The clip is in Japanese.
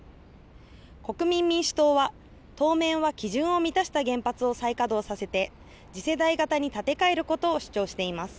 国民民主党は当面は基準を満たした原発を再稼働させて次世代型に建て替えることを主張しています。